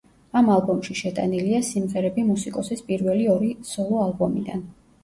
ამ ალბომში შეტანილია სიმღერები მუსიკოსის პირველი ორი სოლო ალბომიდან.